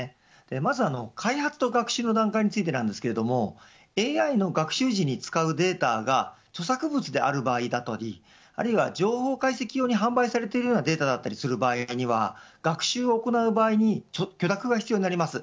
まず開発と学習の段階についてなんですがＡＩの学習時に使うデータが著作物である場合だったりあるいは情報解析用に販売されているようなデータだったりする場合には学習を行う場合に許諾が必要になります。